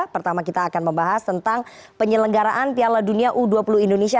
pertama kita akan membahas tentang penyelenggaraan piala dunia u dua puluh indonesia